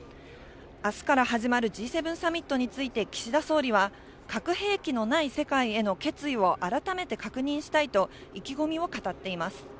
あすから始まるＧ７サミットについて、岸田総理は、核兵器のない世界への決意を改めて確認したいと、意気込みを語っています。